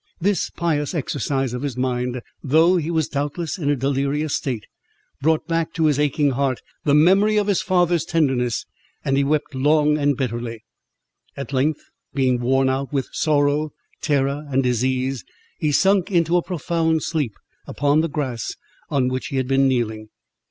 This pious exercise of his mind, though he was doubtless in a delirious state, brought back to his aching heart the memory of his father's tenderness, and he wept long and bitterly. At length being worn out with sorrow, terror, and disease, he sunk into a profound sleep upon the grass, on which he had been kneeling.